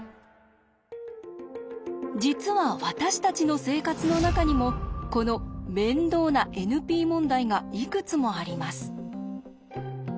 実は私たちの生活の中にもこの面倒なＮＰ問題がいくつもあります。